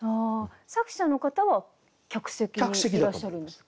作者の方は客席にいらっしゃるんですよね。